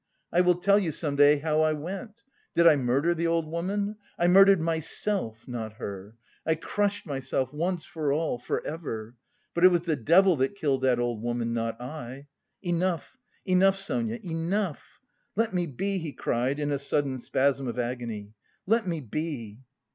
I will tell you some day how I went! Did I murder the old woman? I murdered myself, not her! I crushed myself once for all, for ever.... But it was the devil that killed that old woman, not I. Enough, enough, Sonia, enough! Let me be!" he cried in a sudden spasm of agony, "let me be!"